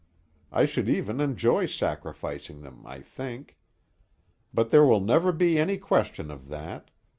I should even enjoy sacrificing them, I think. But there will never be any question of that.